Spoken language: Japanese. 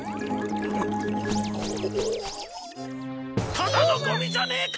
ただのごみじゃねえか！